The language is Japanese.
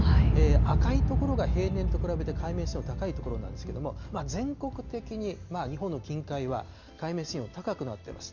赤い所が平年と比べて海面水温高い所なんですけれども、全国的に日本の近海は海面水温高くなってます。